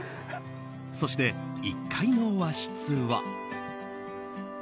そして、１階の和室は。